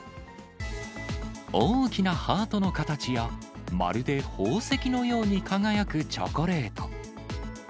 大きなハートの形や、まるで宝石のように輝くチョコレート。